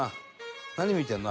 「何見てんの？